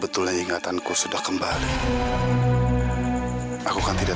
ternyata udah selama itu ya